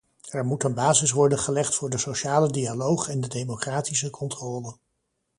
Er moet een basis worden gelegd voor de sociale dialoog en de democratische controle.